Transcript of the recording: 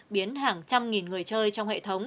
biến hàng trăm nghìn người chơi trong hệ thống